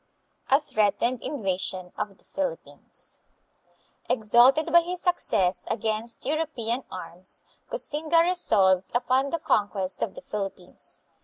210 THE PHILIPPINES. A Threatened Invasion of the Philippines Exalted by his success against European arms, Koxinga resolved upon the conquest of the Philippines.